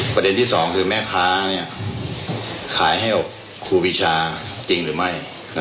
ประเด็นที่สองคือแม่ค้าขายให้กับครูปีชาจริงหรือไม่